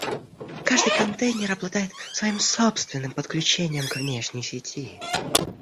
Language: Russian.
Каждый контейнер обладает своим собственным подключением к внешней сети